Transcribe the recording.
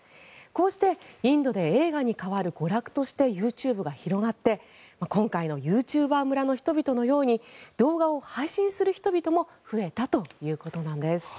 こうしてインドで映画に代わる娯楽としてＹｏｕＴｕｂｅが広がって今回のユーチューバー村の人々のように動画を配信する人々も増えたということです。